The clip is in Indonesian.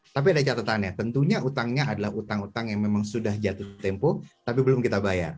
tapi ada catatannya tentunya utangnya adalah utang utang yang memang sudah jatuh tempo tapi belum kita bayar